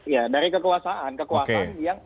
ya dari kekuasaan kekuasaan yang